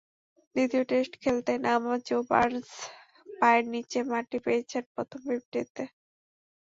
দ্বিতীয় টেস্ট খেলতে নামা জো বার্নস পায়ের নিচে মাটি পেয়েছেন প্রথম ফিফটিতে।